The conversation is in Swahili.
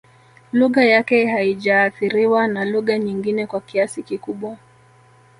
Lugha yake haijaathiriwa na lugha nyingine kwa kiasi kikubwa